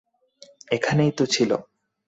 এখানেই তো ছিল!